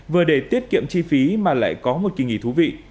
vừa để tiết kiệm chi phí mà lại có một kỳ nghỉ thú vị